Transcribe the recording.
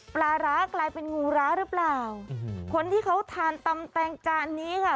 ปลาร้ากลายเป็นงูร้าหรือเปล่าคนที่เขาทานตำแตงจานนี้ค่ะ